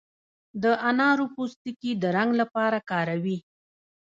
د انارو پوستکي د رنګ لپاره کاروي.